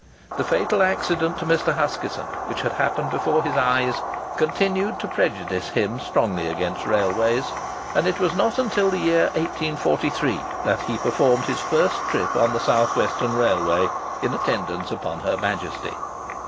The fatal accident to Mr. Huskisson, which had happened before his eyes, contributed to prejudice him strongly against railways, and it was not until the year 1843 that he performed his first trip on the South Western Railway, in attendance upon her Majesty.